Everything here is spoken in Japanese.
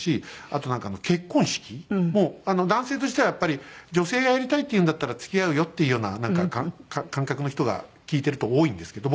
あとなんか結婚式も男性としてはやっぱり女性がやりたいって言うんだったら付き合うよっていうような感覚の人が聞いてると多いんですけど。